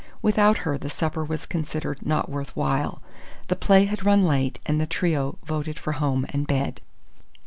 Without her, the supper was considered not worth while. The play had run late, and the trio voted for home and bed.